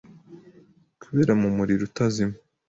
kubera mu muriro utazima